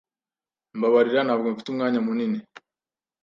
Mbabarira Ntabwo mfite umwanya munini